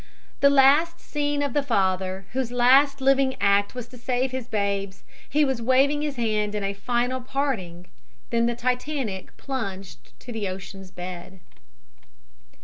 The last seen of the father, whose last living act was to save his babes, he was waving his hand in a final parting. Then the Titanic plunged to the ocean's bed.